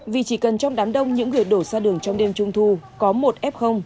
vì chỉ cần trong đám đông những người đổ ra đường trong đêm trung thu có một f